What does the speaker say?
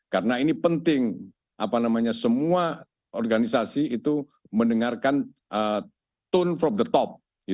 karena ini penting apa namanya semua organisasi itu mendengarkan tone from the top